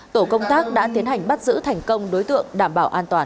tổ công tác đã tiến hành bắt giữ thành công đối tượng đảm bảo an toàn